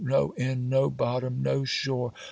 No end! no bottom! no shore!